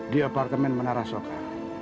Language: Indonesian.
di apartemen menara soka